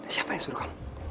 siapa yang suruh kamu